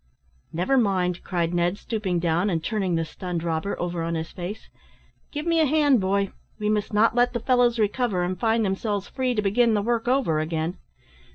"Never mind," cried Ned, stooping down, and turning the stunned robber over on his face, "give me a hand, boy; we must not let the fellows recover and find themselves free to begin the work over again.